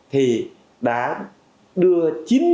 thì đã đưa